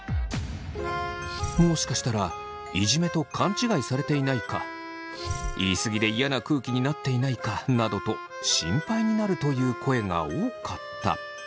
もしかしたらいじめと勘違いされていないか言い過ぎで嫌な空気になっていないかなどと心配になるという声が多かった。